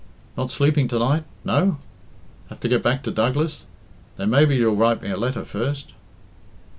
"Not sleeping to night, no? Have to get back to Douglas? Then maybe you'll write me a letter first?"